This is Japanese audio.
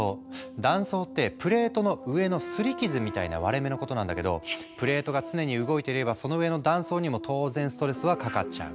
断層ってプレートの上のすり傷みたいな割れ目のことなんだけどプレートが常に動いていればその上の断層にも当然ストレスはかかっちゃう。